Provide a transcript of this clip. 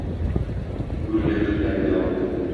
Гүргә керткәне дә ул.